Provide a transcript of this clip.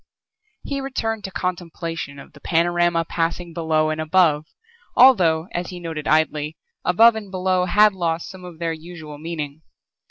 He returned to contemplation of the panorama passing below and above, although as he noted idly, above and below had lost some of their usual meaning.